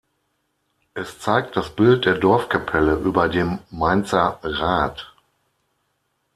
Es zeigt das Bild der Dorfkapelle über dem Mainzer Rad.